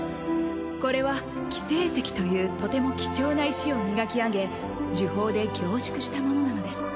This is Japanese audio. これは輝聖石というとても貴重な石を磨き上げ呪法で凝縮したものなのです。